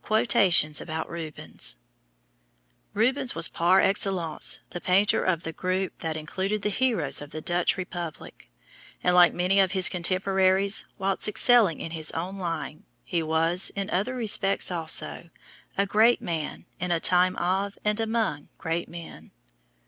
QUOTATIONS ABOUT RUBENS. Rubens was par excellence the painter of the group that included the heroes of the Dutch Republic; and, like many of his contemporaries, whilst excelling in his own line, he was, in other respects also, a great man, in a time of and among great men.